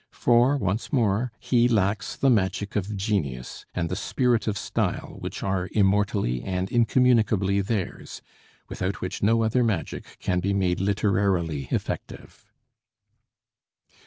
For, once more, he lacks the magic of genius and the spirit of style which are immortally and incommunicably theirs, without which no other magic can be made literarily effective.